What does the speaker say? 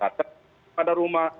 jadi kalau ada rumah